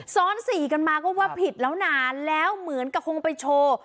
ซ้อนสี่กันมาก็ว่าผิดแล้วนะแล้วเหมือนกับคงไปโชว์